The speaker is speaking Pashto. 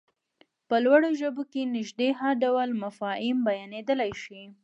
په لوړو ژبو کې نږدې هر ډول مفاهيم بيانېدلای شي.